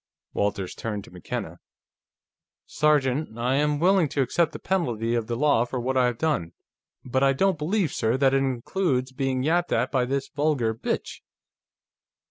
Walters turned to McKenna. "Sergeant, I am willing to accept the penalty of the law for what I have done, but I don't believe, sir, that it includes being yapped at by this vulgar bitch."